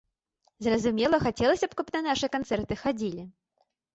Зразумела, хацелася б, каб на нашы канцэрты хадзілі.